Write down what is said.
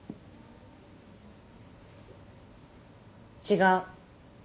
違う